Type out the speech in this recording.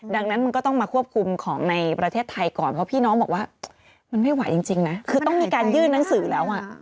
ดังนั้นมันก็ต้องมาควบคุมของในประเทศไทยก่อนเพราะพี่น้องบอกว่ามันไม่ไหวจริงนะคือต้องมีการยื่นหนังสือแล้วอ่ะ